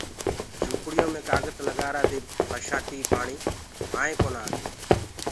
جھوپڙِيو مي ڪآگت لگآرآ دي برشآتيٚ پآڻيٚ مآئينٚ ڪونآ آوي